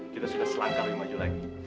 kita sudah selangkap di maju lagi